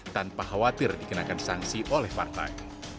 tanpa khawatir dikenakan sanksi oleh partai